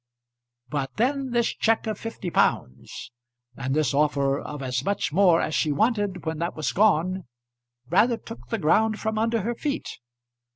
But then this check of fifty pounds, and this offer of as much more as she wanted when that was gone, rather took the ground from under her feet.